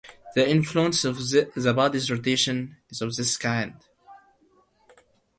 The influence of the body's rotation is of this kind.